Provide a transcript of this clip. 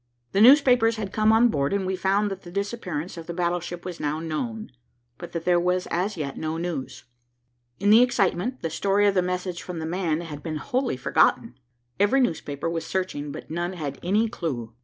The newspapers had come on board, and we found that the disappearance of the battleship was now known, but that there was as yet no news. In the excitement, the story of the message from the man had been wholly forgotten. Every newspaper was searching, but none had any clue.